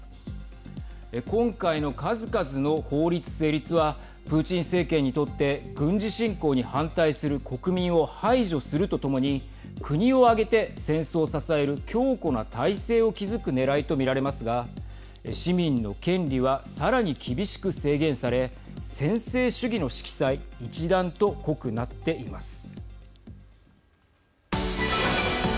今回の数々の法律成立はプーチン政権にとって軍事侵攻に反対する国民を排除するとともに国を挙げて戦争を支える強固な体制を築くねらいと見られますが市民の権利はさらに厳しく制限され専制主義の色彩一段と濃くなっています。